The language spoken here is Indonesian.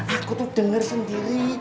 aku tuh denger sendiri